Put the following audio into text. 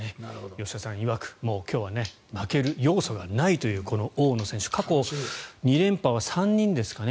吉田さんいわく今日は負ける要素がないというこの大野選手過去２連覇は３人ですかね